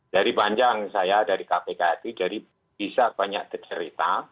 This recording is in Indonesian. dari panjang saya dari kpk itu jadi bisa banyak bercerita